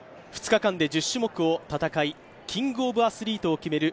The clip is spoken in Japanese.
２日間で１０種目を戦い、キングオブアスリートを決める